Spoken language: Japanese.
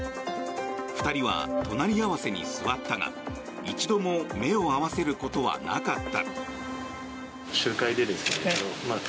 ２人は隣り合わせに座ったが一度も目を合わせることはなかった。